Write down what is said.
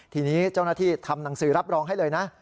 ทีนี้เจ้าหน้าที่ทำหนังสือรับรองให้เลยนะ